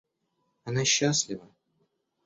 Она счастлива?